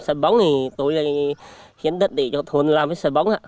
sân bóng thì tôi hiến đất để cho thôn làm sân bóng